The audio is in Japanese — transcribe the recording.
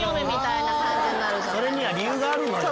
それには理由があるのよ！と。